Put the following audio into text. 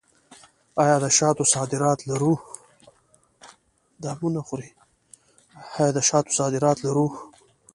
آیا د شاتو صادرات لرو؟